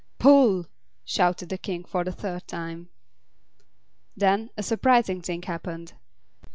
"Pull!" shouted the King for the third time. Then a surprising thing happened.